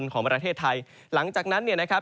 ก็คือบริเวณอำเภอเมืองอุดรธานีนะครับ